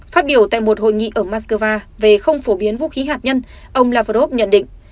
phát biểu tại một hội nghị ở moscow về không phổ biến vũ khí hạt nhân ông lavrov nhận định